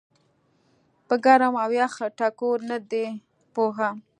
پۀ ګرم او يخ ټکور نۀ دي پوهه